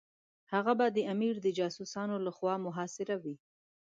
هغه به د امیر د جاسوسانو لخوا محاصره وي.